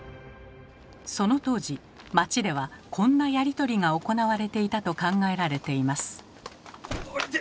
その当時町ではこんなやり取りが行われていたと考えられています。